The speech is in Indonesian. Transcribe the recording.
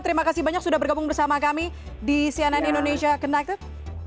terima kasih banyak sudah bergabung bersama kami di cnn indonesia connected